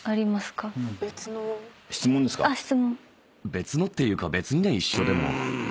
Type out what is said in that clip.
「別の」っていうか別にね一緒でも。